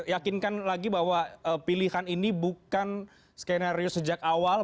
yakinkan lagi bahwa pilihan ini bukan skenario sejak awal